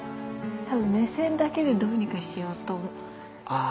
多分目線だけでどうにかしようと。